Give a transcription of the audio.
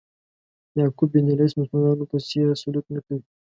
یعقوب بن لیث مسلمانانو په څېر سلوک نه کوي.